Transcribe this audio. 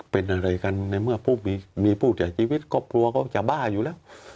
เป็นอะไรกันในเมื่อมีผู้เสียชีวิตครอบครัวก็จะบ้าอยู่แล้ว